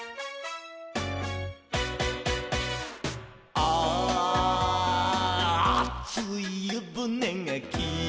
「あついゆぶねがきみを」